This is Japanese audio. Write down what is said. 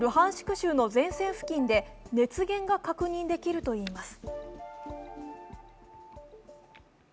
州の前線付近で熱源が確認できるといいます。